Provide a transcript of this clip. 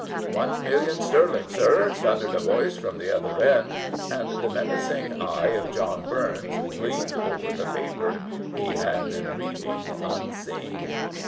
'' One million sterling, sir," thundered a voice from the other end, and the menacing eye of John Burns gleamed over the paper he had been reading unseen.